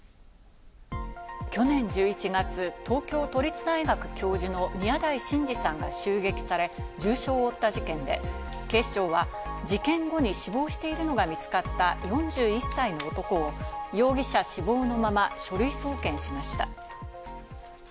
去年１１月、東京都立大学教授の宮台真司さんが襲撃され、重傷を負った事件で、警視庁は事件後に死亡しているのが見つかった４１歳の男を容疑者死亡のまま、書類送検しました。